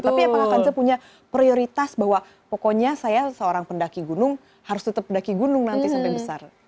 tapi apakah kancah punya prioritas bahwa pokoknya saya seorang pendaki gunung harus tetap pendaki gunung nanti sampai besar